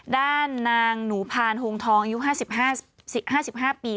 ด้านนางหนูพานโฮงทองอายุ๕๕ปี